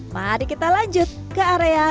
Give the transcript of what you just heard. mari kita lanjut ke area